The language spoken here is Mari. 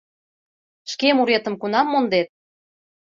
— Шке муретым кунам мондет?